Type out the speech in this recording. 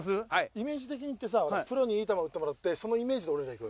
イメージ的にいってさプロにいい球打ってもらってそのイメージで俺がいく。